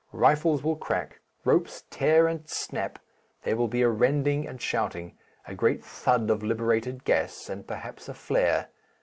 Rifles will crack, ropes tear and snap; there will be a rending and shouting, a great thud of liberated gas, and perhaps a flare.